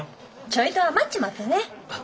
ちょいと余っちまってね。